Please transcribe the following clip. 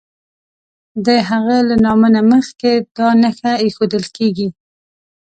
د هغه له نامه نه مخکې دا نښه ایښودل کیږي.